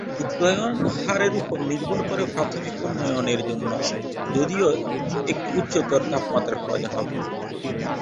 উড্ডয়ন হারের উপর নির্ভর করে প্রাথমিক উড্ডয়নের জন্য যদিও একটু উচ্চতর তাপমাত্রার প্রয়োজন হবে।